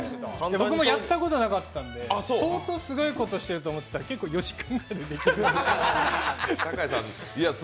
僕もやったことなかったんで相当すごいことしてると思ったら結構４時間くらいでできる。